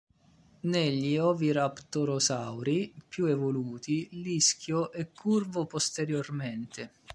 Negli oviraptorosauri più evoluti, l'ischio è curvo posteriormente.